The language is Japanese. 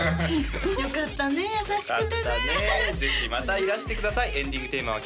よかったね優しくてねぜひまたいらしてくださいエンディングテーマは＃